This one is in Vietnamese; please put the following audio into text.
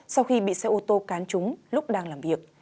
sau khi bị xe ô tô cán chúng lúc đang làm việc